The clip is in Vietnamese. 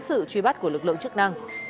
sự truy bắt của lực lượng chức năng